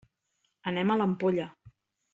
Anem a l'Ampolla.